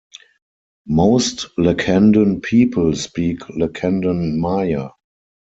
Most Lacandon people speak Lacandon Maya.